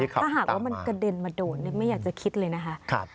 ถ้าหากว่ามันกระเด็นมาโดนไม่อยากจะคิดเลยนะคะ